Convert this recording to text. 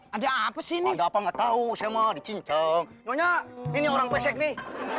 hai ada apa sih nggak tahu sama dicincang nyonya ini orang pesek nih